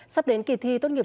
sắp đến kỳ thi tốt nghiệp